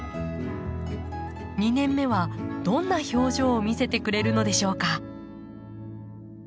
２年目はどんな表情を見せてくれるのでしょうか？